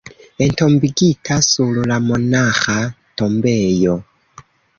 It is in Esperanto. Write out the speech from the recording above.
Entombigita sur la monaĥa tombejo.